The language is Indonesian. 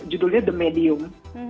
judulnya the medium